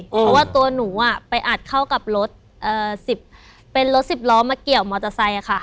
เพราะว่าตัวหนูไปอัดเข้ากับรถเป็นรถสิบล้อมาเกี่ยวมอเตอร์ไซค์ค่ะ